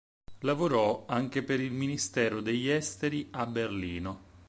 Lavorò anche per il ministero degli Esteri a Berlino.